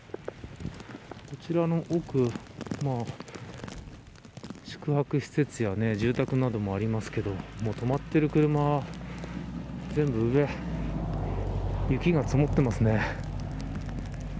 こちらの奥宿泊施設や住宅などもありますけど止まっている車全部上に雪が積もっていますね。